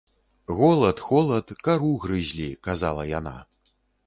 Голад, холад, кару грызлі, казала яна.